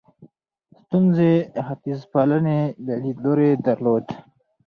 سټيونز د ختیځپالنې لیدلوری درلود.